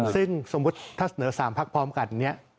ซึ่งสมมุติถ้าเสนอ๓พักพร้อมกันเนี่ย